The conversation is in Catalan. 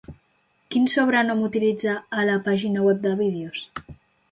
Quin sobrenom utilitza a la pàgina web de vídeos?